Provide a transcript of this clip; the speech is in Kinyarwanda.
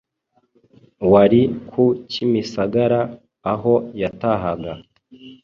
wari ku kimisagara aho yatahaga